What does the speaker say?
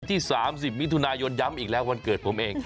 ที่๓๐มิถุนายนย้ำอีกแล้ววันเกิดผมเอง